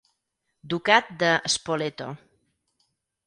Ducat de Spoleto.